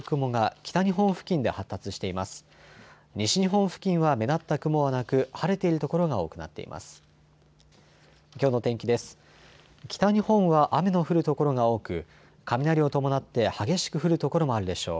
北日本は雨の降る所が多く雷を伴って激しく降る所もあるでしょう。